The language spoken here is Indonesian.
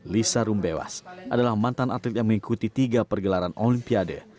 lisa rumbewas adalah mantan atlet yang mengikuti tiga pergelaran olimpiade